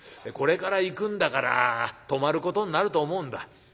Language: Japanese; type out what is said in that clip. これから行くんだから泊まることになると思うんだ。